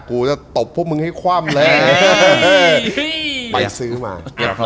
กูจะตบพวกมึงให้คว่ำเลยไปซื้อมา